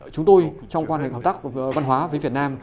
chúng tôi trong quan hệ hợp tác văn hóa với việt nam